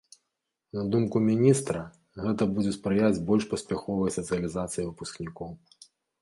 На думку міністра, гэта будзе спрыяць больш паспяховай сацыялізацыі выпускнікоў.